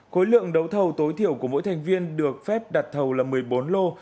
khối lượng đấu thầu tối thiểu của mỗi thành viên được phép đặt thầu là một mươi bốn lô